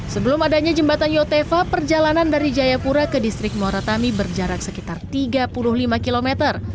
sebelum adanya jembatan yotefa perjalanan dari jayapura ke distrik moratami berjarak sekitar tiga puluh lima km